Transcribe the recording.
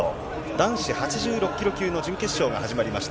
男子８６キロ級の準決勝が始まりました。